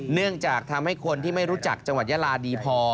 เนื่องจากทำให้คนที่ไม่รู้จักจังหวัดยาลาดีพอ